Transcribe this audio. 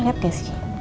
lo liat gak sih